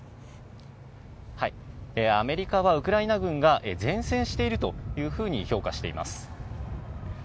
アメリカはウクライナ軍が善戦しているというふうに評価しています。